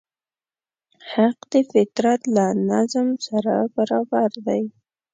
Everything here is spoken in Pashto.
حق د فطرت له نظم سره برابر دی.